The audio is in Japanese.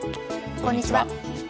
こんにちは。